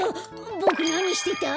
ボクなにしてた？